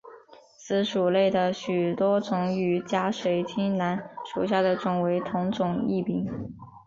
此属内的许多种与假水晶兰属下的种为同种异名。